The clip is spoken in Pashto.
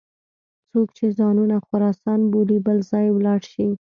څوک چې ځانونه خراسانیان بولي بل ځای ولاړ شي.